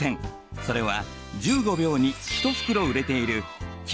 それは１５秒に１袋売れているＱ